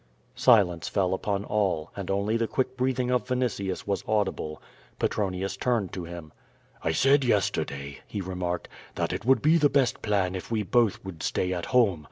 Silence fell upon all, and only the quick breathing of JVini tius was audible. Petronius turned to him: "I said yesterday," he remarked, "that it would be the best plan if we both would stay at home.